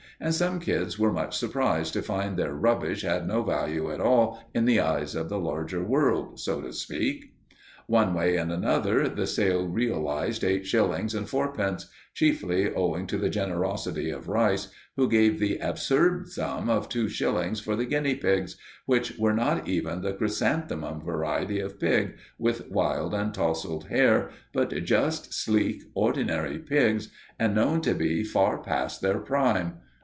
And some kids were much surprised to find their rubbish had no value at all in the eyes of the larger world, so to speak. One way and another, the sale realized eight shillings and fourpence, chiefly owing to the generosity of Rice, who gave the absurd sum of two shillings for the guinea pigs, which were not even the chrysanthemum variety of pig, with wild and tousled hair, but just sleek, ordinary pigs, and known to be far past their prime.